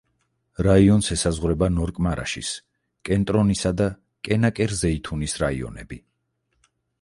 რაიონს ესაზღვრება ნორკ-მარაშის, კენტრონისა და კანაკერ-ზეითუნის რაიონები.